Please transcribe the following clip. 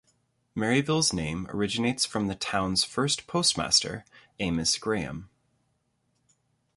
Maryville's name originates from the town's first postmaster, Amos Graham.